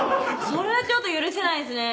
それはちょっと許せないですね